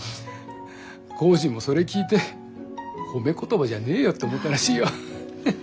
コージーもそれ聞いて褒め言葉じゃねえよって思ったらしいよ。